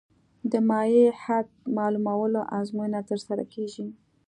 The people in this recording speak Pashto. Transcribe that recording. د مایع حد معلومولو ازموینه ترسره کیږي